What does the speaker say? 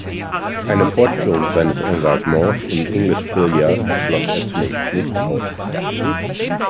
Eine Fortführung seines Engagements im English Billiards schloss er zunächst nicht aus.